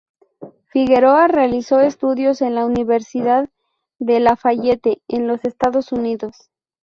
Figueroa realizó estudios en la Universidad de Lafayette, en los Estados Unidos.